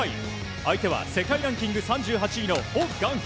相手は世界ランキング３１位のホ・グァンヒ。